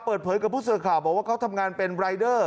เปิดเผยกับผู้สื่อข่าวบอกว่าเขาทำงานเป็นรายเดอร์